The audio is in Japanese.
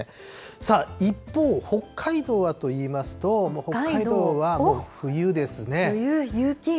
さあ、一方、北海道はといいますと、北海道はもう冬ですね。